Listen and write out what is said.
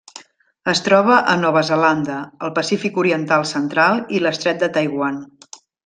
Es troba a Nova Zelanda, el Pacífic oriental central i l'Estret de Taiwan.